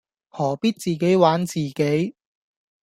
何必自己玩自己